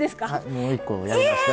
もう一個やり直して。